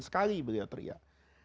sekali beliau teriak